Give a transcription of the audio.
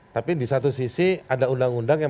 tapi di satu sisi ada undang undang yang